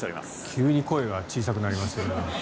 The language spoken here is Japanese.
急に声が小さくなりましたが。